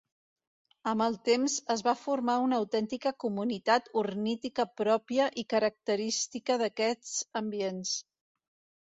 Amb el temps, es va formar una autèntica comunitat ornítica pròpia i característica d'aquests ambients.